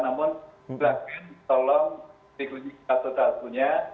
namun silakan tolong diklinik asetatunya